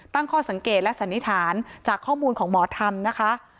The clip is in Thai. ตั้งข้อสังเกตและสันนิษฐานจากข้อมูลของหมอธรรมนะคะ